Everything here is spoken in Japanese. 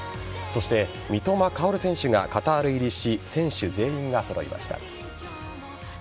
そして三笘薫選手がカタール入りし選手全員が揃いました。